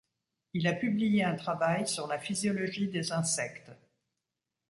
Il a publié un travail sur la physiologie des insectes.